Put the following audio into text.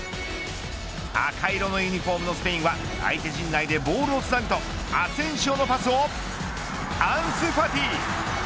赤色のユニホームのスペインは相手陣内でボールをつなぐとアセンシオのパスをアンス・ファティ。